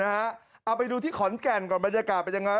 เอาไปดูที่ขอนแก่นก่อนบรรยากาศเป็นยังไง